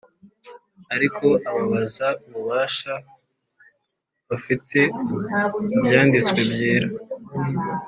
ariko Ababaza ububasha bafite ku Byanditswe Byera.